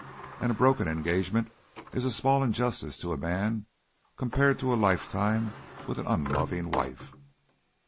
And a broken engagement is a small injustice to a man compared to a lifetime with an unloving wife.